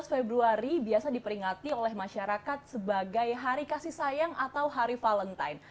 tujuh belas februari biasa diperingati oleh masyarakat sebagai hari kasih sayang atau hari valentine